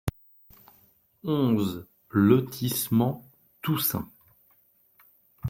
onze lotissement Toussaint